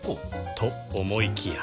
と思いきや